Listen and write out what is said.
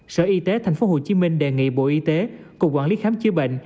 sở y tế tp hcm đề nghị bộ y tế cục quản lý khám chữa bệnh